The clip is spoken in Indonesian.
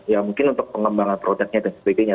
ya mungkin untuk pengembangan produknya dan sebagainya